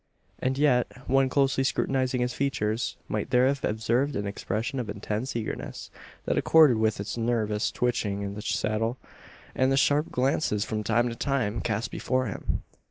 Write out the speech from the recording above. And yet, one closely scrutinising his features, might there have observed an expression of intense eagerness; that accorded with his nervous twitching in the saddle, and the sharp glances from time to time cast before him.